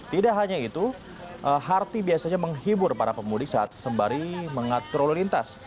tidak hanya itu harti biasanya menghibur para pemudik saat sembari mengatur lalu lintas